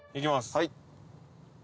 はい。